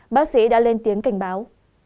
bác sĩ đã lên tiếng cảnh báo